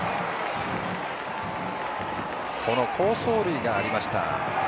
好走塁がありました。